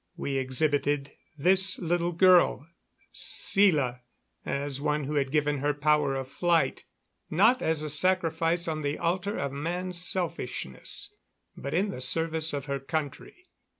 We exhibited this little girl, Sela, as one who had given her power of flight, not as a sacrifice on the altar of man's selfishness, but in the service of her country.